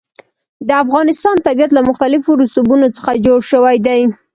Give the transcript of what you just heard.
د افغانستان طبیعت له مختلفو رسوبونو څخه جوړ شوی دی.